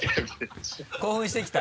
興奮してきた。